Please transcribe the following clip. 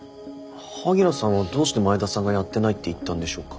萩野さんはどうして前田さんがやってないって言ったんでしょうか。